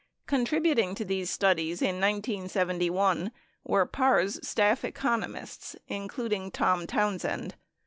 Contributing to these studies in 1971 w r ere Parr's staff economists, including Tom Townsend.